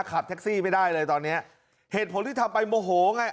ขับแท็กซี่ไม่ได้เลยตอนเนี้ยเหตุผลที่ทำไปโมโหไง